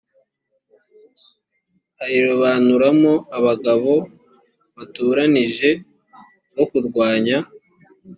ayirobanuramo abagabo batoranije bo kurwanya